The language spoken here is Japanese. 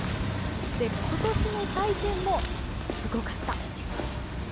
そして、今年の対戦もすごかった。